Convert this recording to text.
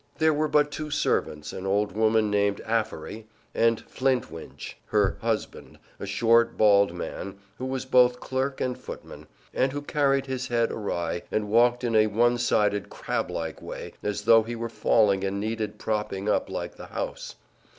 There were but two servants, an old woman named Affery, and Flintwinch, her husband, a short, bald man, who was both clerk and footman, and who carried his head awry and walked in a one sided crab like way, as though he were falling and needed propping up like the house.